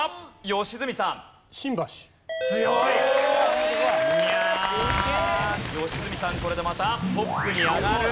良純さんこれでまたトップに上がる。